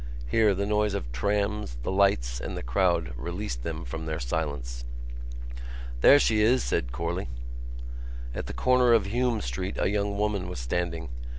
Here the noise of trams, the lights and the crowd released them from their silence. "There she is!" said Corley. At the corner of Hume Street a young woman was standing.